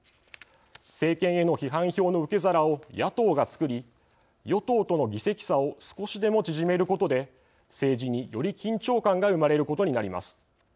政権への批判票の受け皿を野党がつくり与党との議席差を少しでも縮めることで政治により緊張感が生まれることになります。